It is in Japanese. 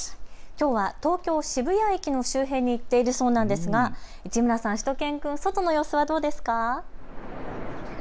きょうは東京渋谷駅の周辺に行っているそうなんですが市村さん、しゅと犬くん外の様子はどうですか。